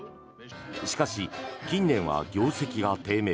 しかし近年は業績が低迷。